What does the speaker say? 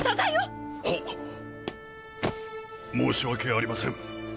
申し訳ありません。